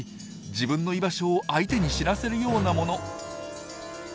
自分の居場所を相手に知らせるようなもの。